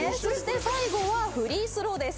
そして最後はフリースローです。